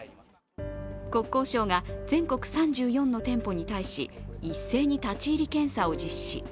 国交省が全国３４の店舗に対し一斉に立ち入り検査を実施。